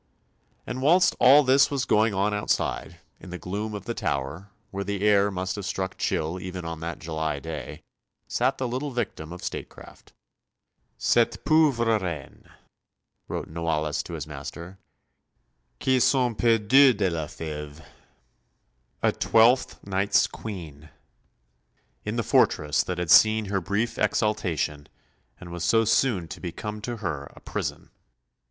And whilst all this was going on outside, in the gloom of the Tower, where the air must have struck chill even on that July day, sat the little victim of state craft "Cette pauvre reine," wrote Noailles to his master, "qui s'en peut dire de la féve" a Twelfth Night's Queen in the fortress that had seen her brief exaltation, and was so soon to become to her a prison.